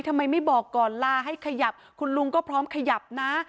ทำไมไม่บอกก่อนลาให้ขยับคุณลุงก็พร้อมขยับนะ